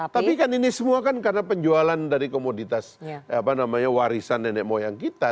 tapi kan ini semua kan karena penjualan dari komoditas warisan nenek moyang kita